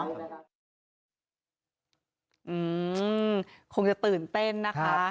คงจะตื่นเต้นนะคะ